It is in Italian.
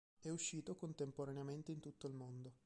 È uscito contemporaneamente in tutto il mondo.